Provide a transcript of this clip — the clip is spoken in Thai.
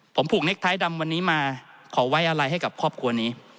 ผมผูกเน็กไทยดำวันนี้มาขอไว้อะไรให้กับครอบครัวนี้